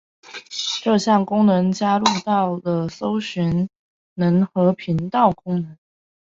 这项功能加入到了搜寻功能和频道功能。